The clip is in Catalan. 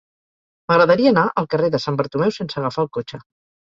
M'agradaria anar al carrer de Sant Bartomeu sense agafar el cotxe.